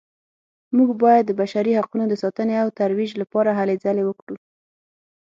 موږ باید د بشري حقونو د ساتنې او ترویج لپاره هلې ځلې وکړو